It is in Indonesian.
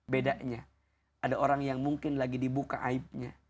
bedanya ada orang yang mungkin lagi dibuka aibnya